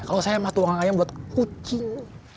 kalau saya mah tuang ayam buat kucing